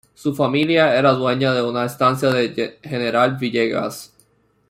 Su familia era dueña de una estancia de General Villegas.